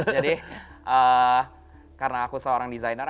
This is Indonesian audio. jadi karena aku seorang designer